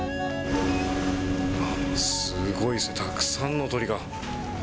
すごいですね、たくさんの鳥が。